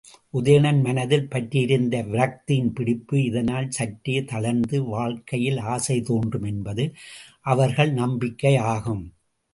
உதயணன் மனத்தில் பற்றியிருந்த விரக்தியின் பிடிப்பு இதனால் சற்றே தளர்ந்து வாழ்க்கையில் ஆசைதோன்றும் என்பது அவர்கள் நம்பிக்கை ஆகும்.